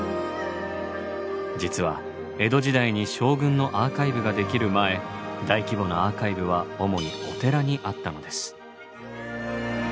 実は江戸時代に将軍のアーカイブができる前大規模なアーカイブは主にお寺にあったのです。